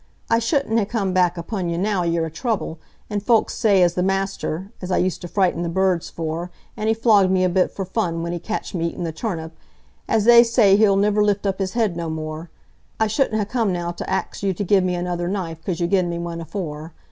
"I shouldn't ha' come back upon you now ye're i' trouble, an' folks say as the master, as I used to frighten the birds for, an' he flogged me a bit for fun when he catched me eatin' the turnip, as they say he'll niver lift up his head no more,—I shouldn't ha' come now to ax you to gi' me another knife 'cause you gen me one afore.